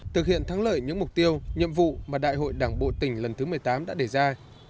thực hiện thắng lợi những mục tiêu nhiệm vụ mà đại hội đảng bộ tỉnh lần thứ một mươi tám đã đề ra